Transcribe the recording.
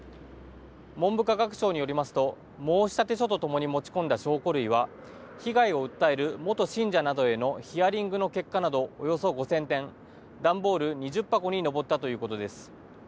文部科学省によりますと申し立て書とともに持ち込んだ証拠類は被害を訴える元信者などへのヒアリングの結果などおよそ５０００点、段ボール２０箱に上ったということです。